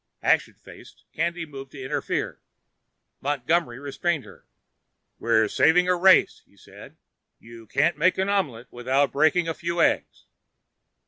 Ashen faced, Candy moved to interfere; Montgomery restrained her. "We're saving a race," he said. "You can't make an omelet without breaking a few eggs."